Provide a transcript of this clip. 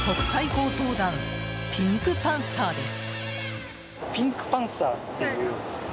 強盗団ピンクパンサーです。